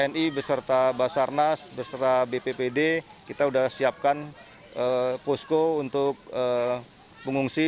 tni beserta basarnas beserta bppd kita sudah siapkan posko untuk pengungsi